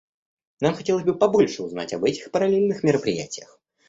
Нам хотелось бы побольше узнать об этих параллельных мероприятиях.